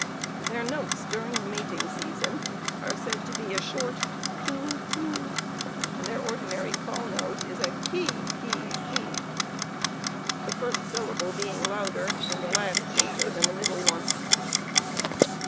Their notes during the mating season are said to be a short "coo coo," and the ordinary call note is a "kee kee kee," the first syllable being louder and the last fainter than the middle one.